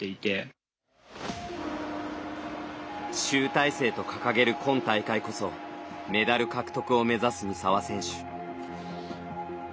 集大成と掲げる今大会こそメダル獲得を目指す三澤選手。